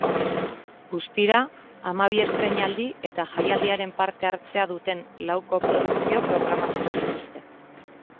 Guztira, hamabi estreinaldi eta jaialdiaren parte-hartzea duten lau koprodukzio programatuko dituzte.